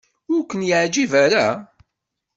Ur ken-yeɛjib ara?